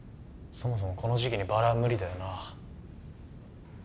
そもそもこの時期にバラは無理だよな